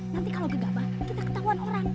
nanti kalau gegabah kita ketahuan orang